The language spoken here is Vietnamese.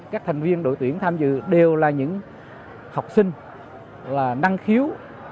các thành viên đội tuyển tham dự đều là những học sinh là năng khiếu